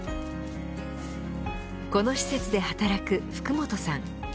この施設で働く福本さん。